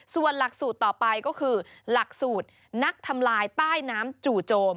ส่วนหลักสูตรต่อไปก็คือหลักสูตรนักทำลายใต้น้ำจู่โจม